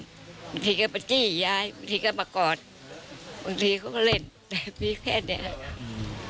บางทีเขาก็ไปจี้ยายบางทีเขาก็มากอดบางทีเขาก็เล่นแต่มีแค่เนี่ยครับ